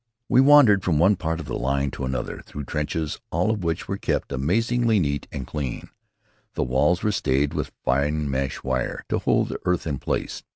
We wandered from one part of the line to another through trenches, all of which were kept amazingly neat and clean. The walls were stayed with fine mesh wire to hold the earth in place.